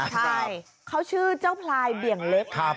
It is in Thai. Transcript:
ใช่เขาชื่อเจ้าพลายเบี่ยงเล็ก